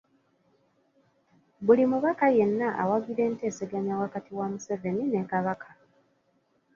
Buli mubaka yenna awagira enteeseganya wakati wa Museveni ne Kabaka.